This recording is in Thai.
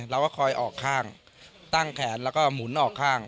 เราก็คอยออกข้างตั้งแขนแล้วก็หมุนออกข้าง